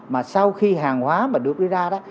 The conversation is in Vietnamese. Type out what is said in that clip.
mà sau khi hàng hóa mà được đưa ra đó